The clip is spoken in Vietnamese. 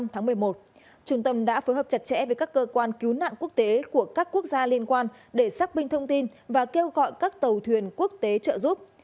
trong khi đó trung tâm tìm kiếm cứu nạn hàng hải việt nam trở về các cơ quan cứu nạn quốc tế của các quốc gia liên quan để xác binh thông tin và kêu gọi các tàu thuyền quốc tế trợ giúp